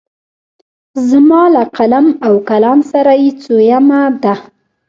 زما له قلم او کلام سره یې څویمه ده.